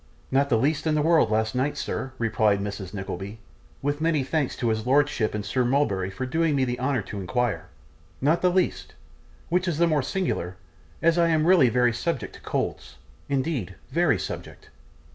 'Not the least in the world last night, sir,' replied Mrs. Nickleby, 'with many thanks to his lordship and Sir Mulberry for doing me the honour to inquire; not the least which is the more singular, as I really am very subject to colds, indeed very subject.